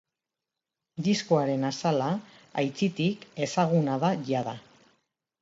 Diskoaren azala, aitzitik, ezaguna da jada.